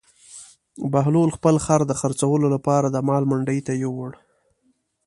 بهلول خپل خر د خرڅولو لپاره د مال منډي ته یووړ.